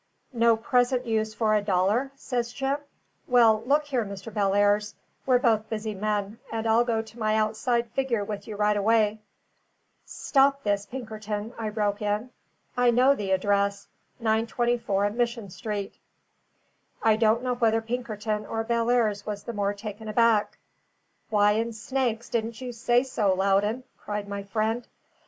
"No present use for a dollar?" says Jim. "Well, look here, Mr. Bellairs: we're both busy men, and I'll go to my outside figure with you right away " "Stop this, Pinkerton," I broke in. "I know the address: 924 Mission Street." I do not know whether Pinkerton or Bellairs was the more taken aback. "Why in snakes didn't you say so, Loudon?" cried my friend.